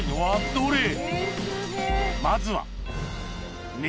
［まずは］